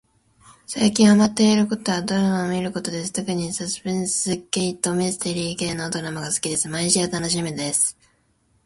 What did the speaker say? さいきんはまってることはどらまをみることですとくにさすぺんすけいとみすてりーけいのどらまがすきですまいしゅうたのしみです